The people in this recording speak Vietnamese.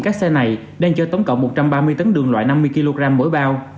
các xe này đang chở tổng cộng một trăm ba mươi tấn đường loại năm mươi kg mỗi bao